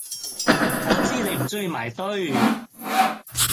我知你唔中意埋堆！